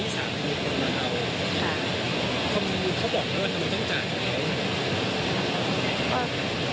มีคนมาเอาค่ะเขามีเขาบอกว่าทำรวดต้องจ่ายแบบนี้